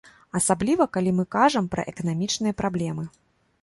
Асабліва калі мы кажам пра эканамічныя праблемы.